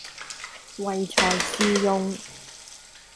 唯才是用